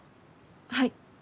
はい。